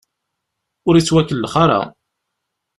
Ur ittwakellax ara.